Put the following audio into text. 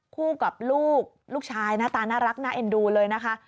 คู่กับลูกลูกชายหน้าตาน่ารักน่าเอ็นดูเลยนะคะ